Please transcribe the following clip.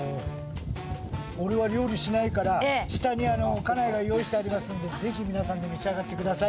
俺は料理しないから下に家内が用意してありますのでぜひ皆さんで召し上がってください。